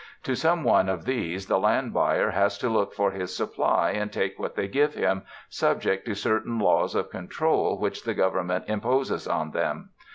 To some one of these the land buyer has to look for his supply and take wliat they give him, subject to certain laws of control which the Govern ment imposes on them.